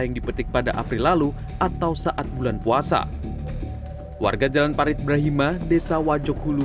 yang dipetik pada april lalu atau saat bulan puasa warga jalan parit brahima desa wajok hulu